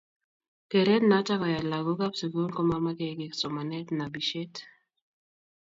geret noto koyae lagookab sugul komamagen kiiy somanetab nabishet